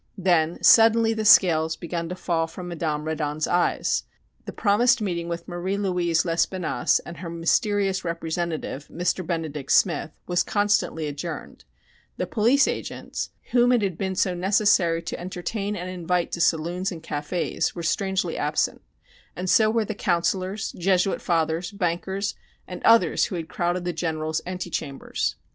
Then, suddenly, the scales began to fall from Madame Reddon's eyes. The promised meeting with Marie Louise Lespinasse and her mysterious representative, "Mr. Benedict Smith," was constantly adjourned; the "police agents," whom it had been so necessary to entertain and invite to saloons and cafés, were strangely absent, and so were the counsellors, Jesuit Fathers, bankers, and others who had crowded the General's antechambers.